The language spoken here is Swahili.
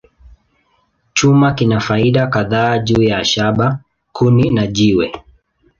Chuma kina faida kadhaa juu ya shaba, kuni, na jiwe.